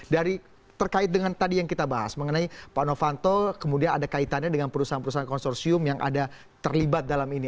dari terkait dengan tadi yang kita bahas mengenai pak novanto kemudian ada kaitannya dengan perusahaan perusahaan konsorsium yang ada terlibat dalam ini